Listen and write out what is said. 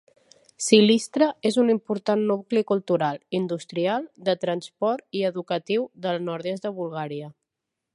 Silistra és un important nucli cultural, industrial, de transport i educatiu del nord-est de Bulgària.